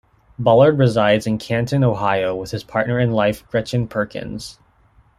Ballard resides in Canton, Ohio, with his partner in life, Gretchen Perkins.